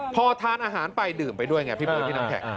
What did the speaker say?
พอทานอาหารไปดื่มไปด้วยไงพี่เบิร์พี่น้ำแข็ง